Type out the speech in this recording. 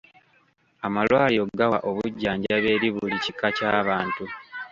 Amalwaliro gawa obujjanjabi eri buli kika ky'abantu.